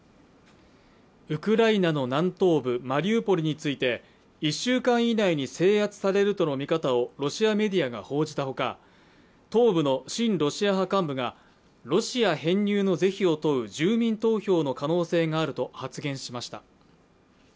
ウクライナの南東部マリウポリについて１週間以内に制圧されるとの見方をロシアメディアが報じたほか東部の親ロシア派幹部がロシア編入の是非を問う住民投票の可能性があると発言しました。